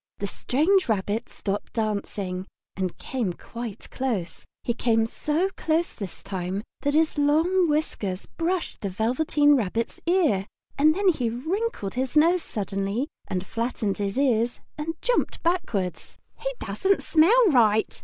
The strange rabbit stopped dancing, and came quite close. He came so close this time that his long whiskers brushed the Velveteen Rabbit's ear, and then he wrinkled his nose suddenly and flattened his ears and jumped backwards. "He doesn't smell right!"